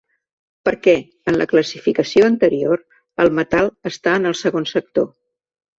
Perquè, en la classificació anterior, el metal està en el segon sector.